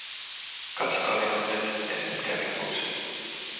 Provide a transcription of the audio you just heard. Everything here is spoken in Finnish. Katsokaa minuun nyt ja hymyilkää pikkuisen.